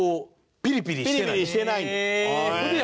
ピリピリしてないんだ。